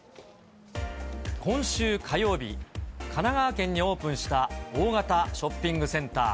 今週火曜日、神奈川県にオープンした大型ショッピングセンター。